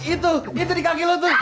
itu itu di kaki lu tuh